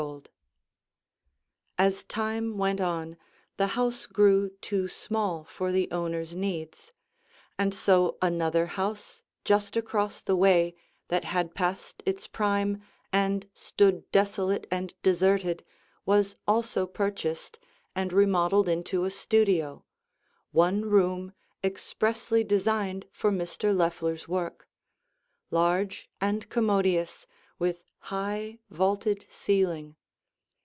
LOEFFLER HOUSE] [Illustration: The Music Room in the Studio Building] As time went on, the house grew too small for the owner's needs, and so another house just across the way that had passed its prime and stood desolate and deserted was also purchased and remodeled into a studio, one room expressly designed for Mr. Loeffler's work, large and commodious with high, vaulted ceiling.